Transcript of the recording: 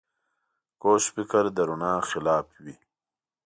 کوږ فکر د رڼا خلاف وي